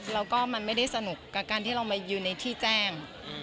แล้วก็มันไม่ได้สนุกกับการที่เรามายืนในที่แจ้ง